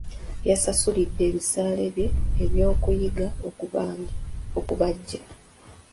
Yeesasulidde ebisale bye eby'okuyiga okubajja.